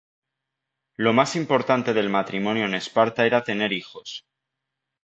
Lo más importante del matrimonio en Esparta era tener hijos.